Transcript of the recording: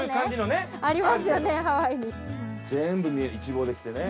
全部一望できてね。